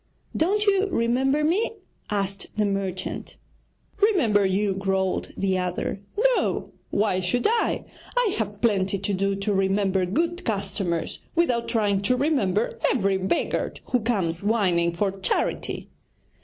'Don't you remember me?' asked the merchant. 'Remember you?' growled the other; 'no, why should I? I have plenty to do to remember good customers without trying to remember every beggar who comes whining for charity.'